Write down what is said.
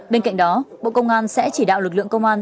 bên cạnh đó bộ công an sẽ chỉ đạo lực lượng công an